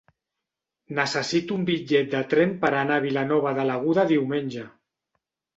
Necessito un bitllet de tren per anar a Vilanova de l'Aguda diumenge.